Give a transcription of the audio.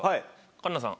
環奈さん。